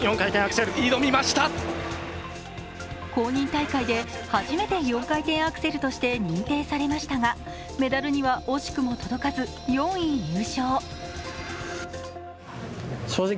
公認大会で初めて４回転アクセルとして認定されましたが、メダルには惜しくも届かず４位入賞。